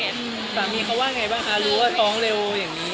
สามีเขาว่าไงบ้างคะรู้ว่าท้องเร็วอย่างนี้